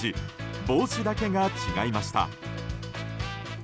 帽子だけが違いました。